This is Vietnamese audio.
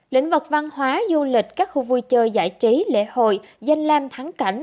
lĩnh vực văn hóa du lịch các khu vui chơi giải trí lễ hội danh lam thắng cảnh